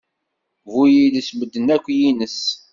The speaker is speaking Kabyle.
Bu-yiles medden yakk ines!